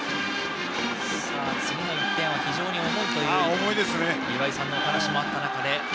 次の１点は非常に重いという岩井さんのお話もありました。